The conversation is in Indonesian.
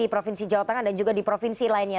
di provinsi jawa tengah dan juga di provinsi lainnya